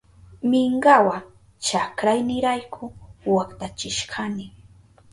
Minkawa chakraynirayku waktachishkani.